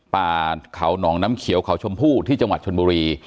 ป่าเขาหนองน้ำเขียวเขาชมพู่ที่จังหวัดชนบุรี